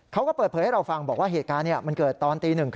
เขาก็เปิดเผยให้เราฟังบอกว่าเหตุการณ์มันเกิดตอนตี๑๓๐